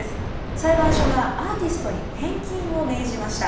裁判所がアーティストに返金を命じました。